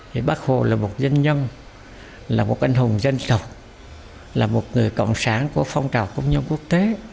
thì bác hồ là một doanh nhân là một anh hùng dân tộc là một người cộng sản của phong trào công nhân quốc tế